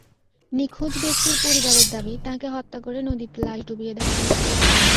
নিখোঁজ ব্যক্তির পরিবারের দাবি, তাঁকে হত্যা করে নদীতে লাশ ডুবিয়ে দেওয়া হয়েছে।